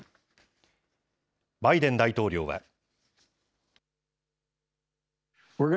バイデン大統領は。